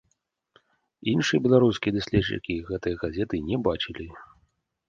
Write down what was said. Іншыя беларускія даследчыкі гэтай газеты не бачылі.